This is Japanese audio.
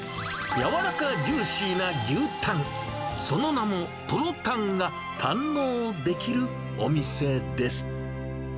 軟らかジューシーな牛タン、その名もトロたんが堪能できるお店です。